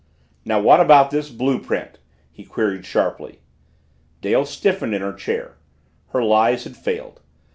"Now what about this blue print?" he queried sharply. Dale stiffened in her chair. Her lies had failed.